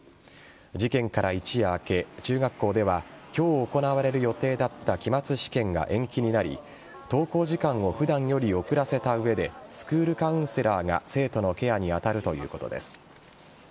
事件から一夜明け中学校では今日行われる予定だった期末試験が延期になり登校時間を普段より遅らせた上でスクールカウンセラーが生徒のケアに当たるということです。